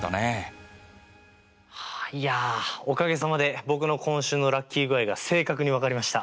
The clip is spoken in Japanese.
いやおかげさまで僕の今週のラッキー具合が正確に分かりました。